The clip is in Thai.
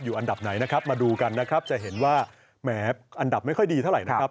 อันดับไหนนะครับมาดูกันนะครับจะเห็นว่าแหมอันดับไม่ค่อยดีเท่าไหร่นะครับ